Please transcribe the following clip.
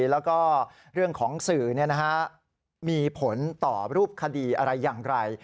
แล้วก็เรื่องของสื่อมีผลต่อรูปคดีอะไรอย่างไร